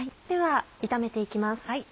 では炒めて行きます。